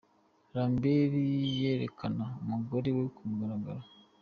Lambert yerekana umugore we ku mugaragaro.